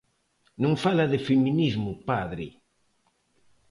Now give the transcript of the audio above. Non fala de feminismo o padre.